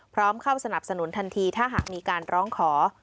พร้อมเข้าสนับสนุนทันทีถ้าหากมีการร้องขอ